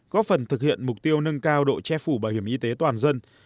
góp phần thực hiện mục tiêu nâng cao độ che phủ bảo hiểm y tế toàn dân